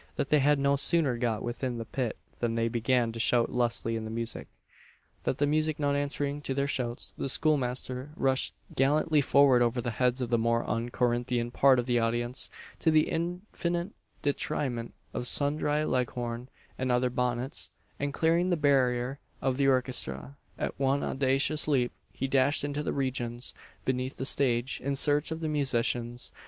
That they had no sooner got within the pit than they began to shout lustily for the music. That the music not answering to their shouts the schoolmaster rushed gallantly forward over the heads of the more un Corinthian part of the audience to the infinite detriment of sundry Leghorn and other bonnets and clearing the barrier of the orchestra, at one audacious leap he dashed into the regions beneath the stage in search of the musicians.